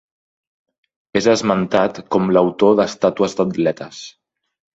És esmentat com l'autor d'estàtues d'atletes.